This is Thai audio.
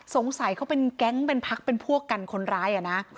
สงสัยเขาเป็นแก๊งเป็นพักเป็นพวกกันคนร้ายอะนะ